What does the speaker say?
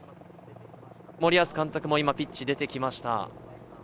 森保監督も今、ピッチ出てきました。